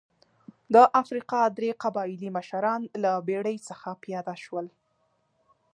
د افریقا درې قبایلي مشران له بېړۍ څخه پیاده شول.